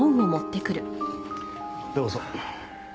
どうぞ。